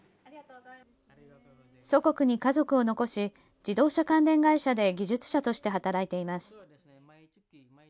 祖国に家族を残し自動車関連会社で技術者として働いています。